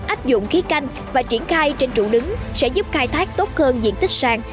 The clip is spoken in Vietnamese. áp dụng khí canh và triển khai trên trụ đứng sẽ giúp khai thác tốt hơn diện tích sàn